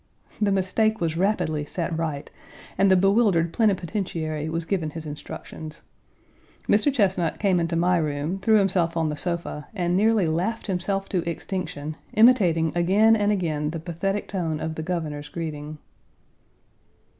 The mistake was rapidly set right, and the bewildered plenipotentiary was given his instructions. Mr. Chesnut came into my room, threw himself on the sofa, and nearly laughed himself to extinction, imitating again and again the pathetic tone of the Governor's greeting.